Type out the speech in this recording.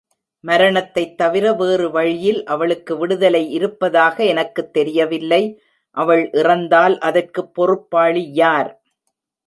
மரணத்தைத் தவிர வேறு வழியில் அவளுக்கு விடுதலை இருப்பதாக எனக்குத் தெரியவில்லை அவள் இறந்தால் அதற்குப் பொறுப்பாளி யார்?